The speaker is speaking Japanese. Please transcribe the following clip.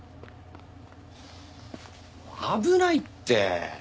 危ないって！